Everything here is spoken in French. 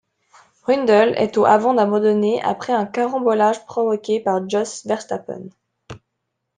Brundle est au avant d'abandonner après un carambolage provoqué par Jos Verstappen.